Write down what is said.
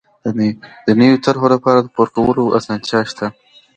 د نويو طرحو لپاره د پور ورکولو اسانتیاوې شته.